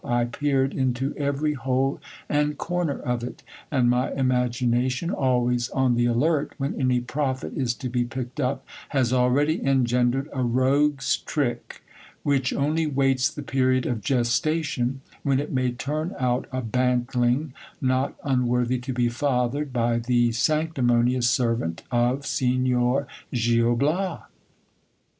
I peered into every hole and comer of it ; and my imagination, always on the alert when any profit is to be picked up, has already engendered a rogue's trick, which only waits the period of gestation, when it may turn out a bantling not unworthy to be fathered by the sanctimonious sen ant of Signor Gil Bias.